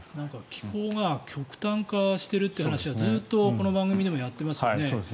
気候が極端化してるって話をずっとこの番組でもやってますよね。